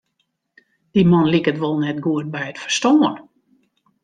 Dy man liket wol net goed by it ferstân.